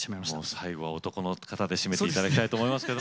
最後は男の方で締めていただきたいと思います。